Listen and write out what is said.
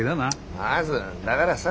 まずんだがらさ